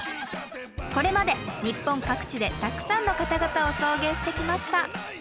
これまで日本各地でたくさんの方々を送迎してきました。